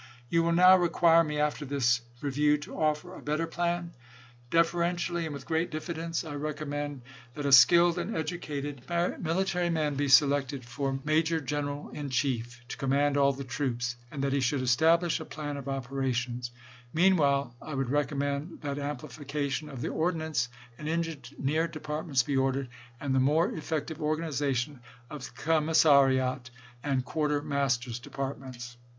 You will now require me, after this review, to offer a better plan. THE MILITARY SITUATION AT CHARLESTON 121 Simons to Pickens, Carolina House. Journal," 1861, pp. 177 79. Deferentially and with great diffidence, I recommend that a skilled and educated military man be selected for Major General in Chief, to command all the troops, and that he should establish a plan of operations. Meanwhile I would recommend that amplification of the Ordnance and Engineer departments be ordered, and the more effective organization of the Commissariat and Quarter masters' departments.